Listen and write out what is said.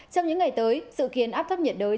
trong những ngày tới sự khiến áp thấp nhiệt đới